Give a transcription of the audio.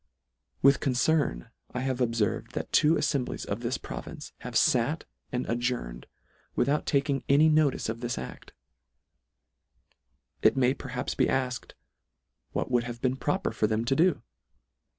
With concern I have obferved that two aflemblies of this province have fat and ad journed, without taking any notice of this ad:. It may perhaps be alked, what would have been proper for them to do